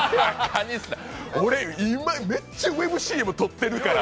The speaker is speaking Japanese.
俺、今、ウェブＣＭ撮ってるから。